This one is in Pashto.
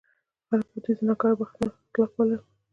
خلکو به دوی زناکار او بد اخلاق بلل.